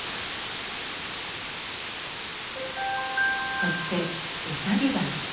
そしてお下げ髪。